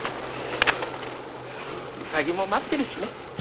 ウサギも待ってるしね。